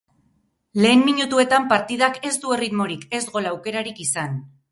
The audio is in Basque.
Lehen minutuetan partidak ez du erritmorik ez gol aukerarik izan.